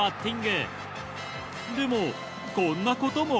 でもこんなことも。